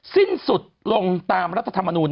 สิ้นสุดลงตามรัฐธรรมนูล